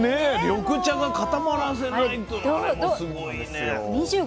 緑茶が固まらせないというあれもすごいね。